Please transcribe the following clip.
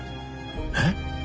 えっ？